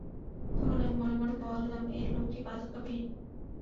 তখন আমি মনে মনে বললাম, এ লোকটি পাদুকাবিহীন।